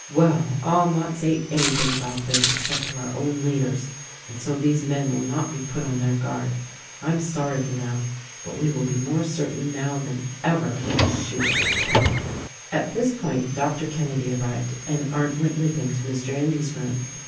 "Well, I'll not say anything about this except to our own leaders; and so these men will not be put on their guard. I'm sorry for them, but we will be more certain, now than ever, to shoot to kill." 124 THE RECORDING ANGEL At this point Doctor Kenedy arrived and Arndt went with him to Mr. Endy's room.